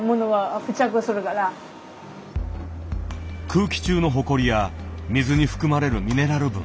空気中のほこりや水に含まれるミネラル分。